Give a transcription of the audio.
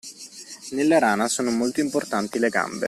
Nella rana sono molto importanti le gambe